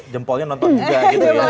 jempolnya nonton juga